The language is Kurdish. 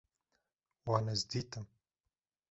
Wan ez dîtim